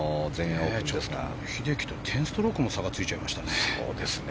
英樹と１０ストロークも差がついちゃいましたね。